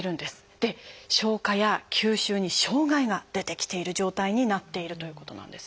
で消化や吸収に障害が出てきている状態になっているということなんです。